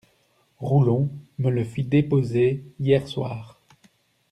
Roulon me le fit déposer hier soir.